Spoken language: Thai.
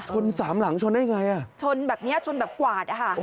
ชนสามหลังชนได้อย่างไรอ่ะชนแบบนี้ชนแบบกวาดนะฮะ